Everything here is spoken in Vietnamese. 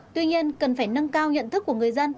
tuy nhiên cần phải nâng cao nhận thức của người dân